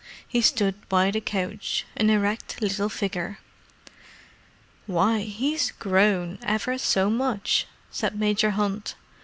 He stood by the couch, an erect little figure. "Why, he's grown—ever so much!" said Major Hunt.